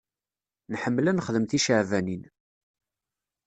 Nḥemmel ad nexdem ticeɛbanin.